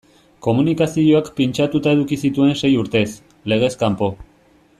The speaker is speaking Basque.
Komunikazioak pintxatuta eduki zituen sei urtez, legez kanpo.